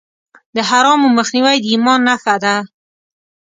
د حرامو مخنیوی د ایمان نښه ده.